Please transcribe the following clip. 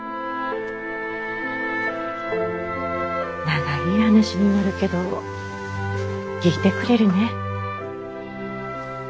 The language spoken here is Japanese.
長い話になるけど聞いてくれるねぇ？